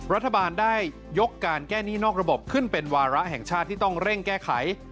รัฐบาลได้ยกการแก้หนี้นอกระบบขึ้นเป็นวาระแห่งชาติที่ต้องเร่งแก้ไข